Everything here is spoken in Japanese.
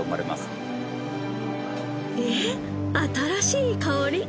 えっ新しい香り？